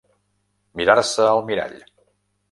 Mirar-se al mirall.